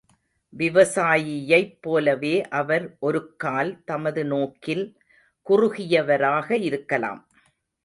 விவசாயியைப் போலவே அவர் ஒருக்கால் தமது நோக்கில் குறுகியவராக இருக்கலாம்.